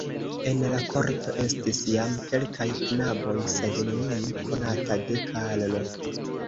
En la korto estis jam kelkaj knaboj, sed neniu konata de Karlo.